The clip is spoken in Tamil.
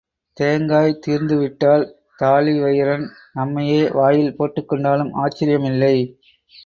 தேங்காய் தீர்ந்துவிட்டால் தாழிவயிறன் நம்மையே வாயில் போட்டுக்கொண்டாலும் ஆச்சரியமில்லை.